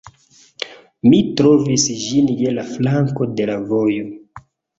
Mi trovis ĝin je la flanko de la vojo